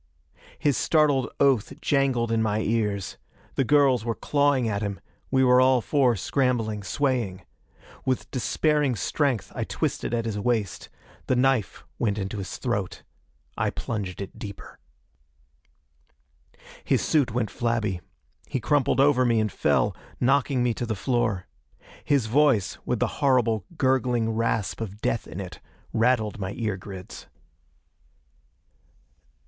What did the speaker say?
His startled oath jangled in my ears. The girls were clawing at him; we were all four scrambling, swaying. With despairing strength I twisted at his waist. The knife went into his throat. I plunged it deeper. His suit went flabby. He crumpled over me and fell, knocking me to the floor. His voice, with the horrible gurgling rasp of death in it, rattled my ear grids.